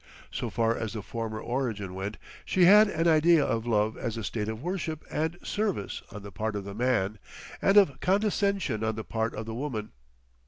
So far as the former origin went, she had an idea of love as a state of worship and service on the part of the man and of condescension on the part of the woman.